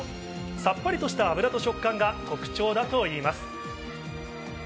さっぱりとした脂と食感が特徴だといいます。